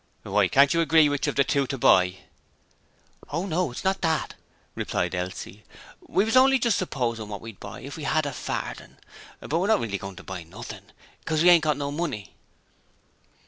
'Why, can't you agree which of the two to buy?' 'Oh no, it's not that,' replied Elsie. 'We was only just SUPPOSING what we'd buy if we 'ad a fardin; but we're not really goin' to buy nothing, because we ain't got no money.'